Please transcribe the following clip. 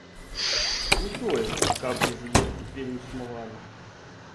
Не тое, каб без яе тут вельмі сумавалі.